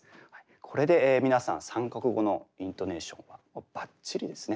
これで皆さん３か国語のイントネーションはもうばっちりですね。